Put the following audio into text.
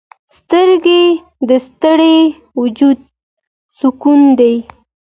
سترګې د ستړي وجود سکون دي